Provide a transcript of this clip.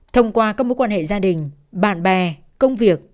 thông qua các mối quan hệ gia đình bạn bè công việc